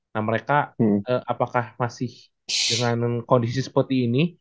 nah mereka apakah masih dengan kondisi seperti ini